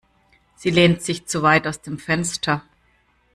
Sie lehnt sich zu weit aus dem Fenster.